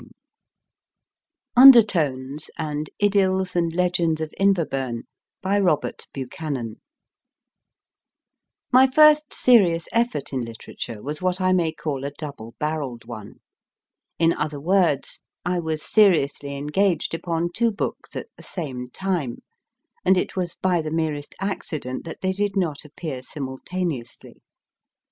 283 UNDERTONES AND IDYLS AND LEGENDS OF INVERBURN* BY ROBERT BUCHANAN MY first serious effort in literature was what I may call a double barrelled one; in other words, I was seriously engaged upon two books at the same time, and it was by the merest accident that they did not appear simultaneously.